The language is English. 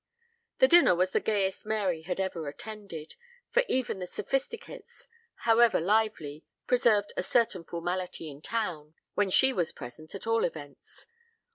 The dinner was the gayest Mary had ever attended, for even the Sophisticates, however lively, preserved a certain formality in town; when she was present, at all events.